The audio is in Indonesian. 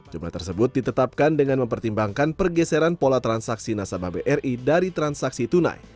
jumlah tersebut ditetapkan dengan mempertimbangkan pergeseran pola transaksi nasabah bri dari transaksi tunai